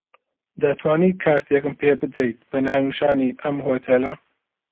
دەتوانیت کارتێکم پێ بدەیت بە ناونیشانی ئەم هۆتێلە.